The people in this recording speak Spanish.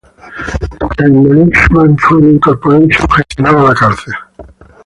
El Management and Training Corporation gestionaba la cárcel.